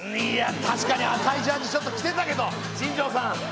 いや確かに赤いジャージちょっと着てたけど新庄さん。